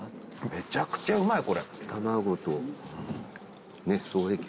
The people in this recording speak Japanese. めちゃくちゃうまい。